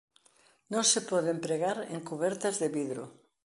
Non se pode empregar en cubertas de vidro.